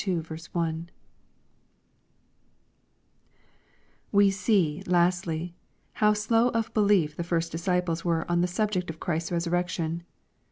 We see, lastly, how slow of belief the first disciples were on the subject of Ghrisfs resurrection.